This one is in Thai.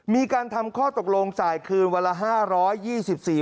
มีการทำข้อตกลงจ่ายคืนวันละ๕๒๔บาท